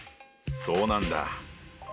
そうなんだ。